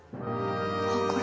あっこれ？